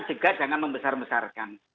juga jangan membesar besarkan